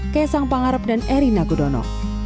kesang pangarap dan eri nagodono